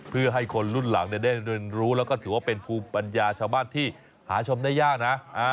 เพื่อให้คนรุ่นหลังได้เรียนรู้แล้วก็ถือว่าเป็นภูมิปัญญาชาวบ้านที่หาชมได้ยากนะ